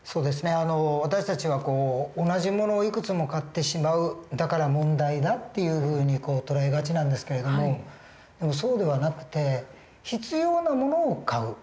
私たちは同じ物をいくつも買ってしまうだから問題だっていうふうに捉えがちなんですけれどもそうではなくて必要な物を買うそれが同じ物。